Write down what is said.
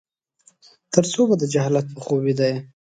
ترڅو به د جهالت په خوب ويده يې ؟